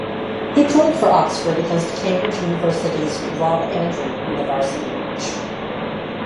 He played for Oxford against Cambridge University's Rob Andrew in the Varsity match.